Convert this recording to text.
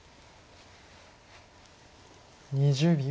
２０秒。